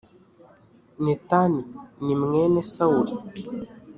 netan ni mwene sawuri